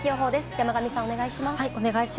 山神さん、お願いします。